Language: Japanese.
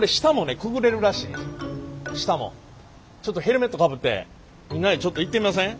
ちょっとヘルメットかぶってみんなでちょっと行ってみません？